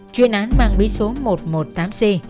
chuyên án mang bí số một trăm một mươi tám c